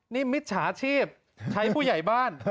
นี่มิจฉาชีพใช้ผู้ใหญ่บ้าน